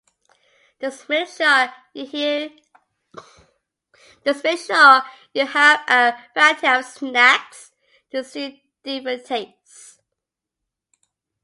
Just make sure you have a variety of snacks to suit different tastes.